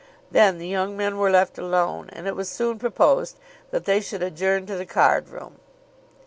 Then the young men were left alone, and it was soon proposed that they should adjourn to the cardroom.